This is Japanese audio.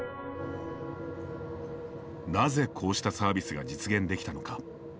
なぜこうしたサービスが実現できたのか。